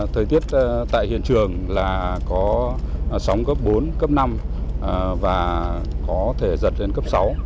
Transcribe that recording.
thời tiết tại hiện trường là có sóng cấp bốn cấp năm và có thể dật đến cấp sáu